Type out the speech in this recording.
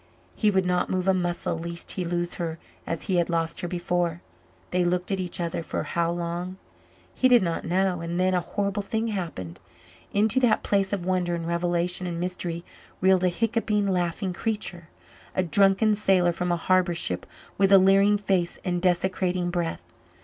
He would not move a muscle lest he lose her as he had lost her before. They looked at each other for how long? He did not know; and then a horrible thing happened. Into that place of wonder and revelation and mystery reeled a hiccoughing, laughing creature, a drunken sailor from a harbour ship, with a leering face and desecrating breath.